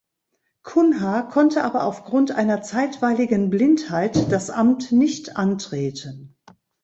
Cunha konnte aber aufgrund einer zeitweiligen Blindheit das Amt nicht antreten.